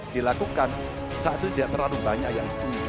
dilakukan saat itu tidak terlalu banyak yang setuju